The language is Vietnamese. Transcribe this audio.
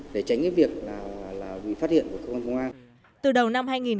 để tránh việc bị phát hiện của công an